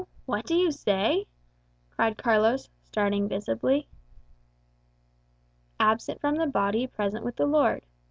What do you say?" cried Carlos, starting visibly. "'Absent from the body, present with the Lord.